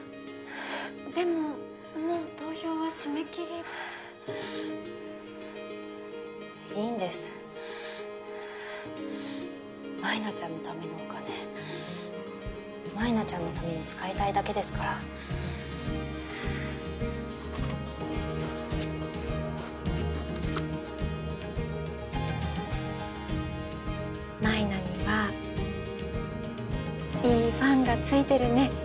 でももう投票は締め切りいいんです舞菜ちゃんのためのお金舞菜ちゃんのために遣いたいだけですから舞菜にはいいファンがついてるね